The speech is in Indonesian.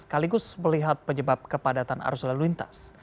sekaligus melihat penyebab kepadatan arus lalu lintas